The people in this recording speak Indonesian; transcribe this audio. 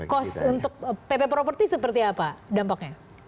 cost untuk pp properti seperti apa dampaknya